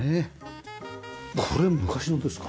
これ昔のですか？